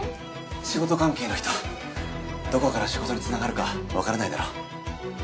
仕事関係の人どこから仕事につながるか分からないだろ。